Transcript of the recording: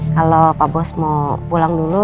kalau pak bos mau pulang dulu